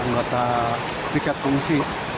anggota tiket fungsi